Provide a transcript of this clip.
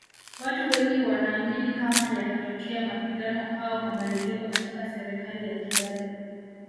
Watu Wengi wanaamini kama yatatokea mapigano au mabadiliko katika Serikali ya Kigali